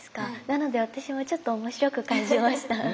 なので私もちょっと面白く感じました。